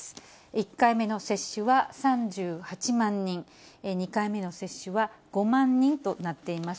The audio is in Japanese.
１回目の接種は３８万人、２回目の接種は５万人となっています。